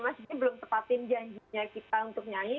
mas didi belum tepatin janjinya kita untuk nyanyi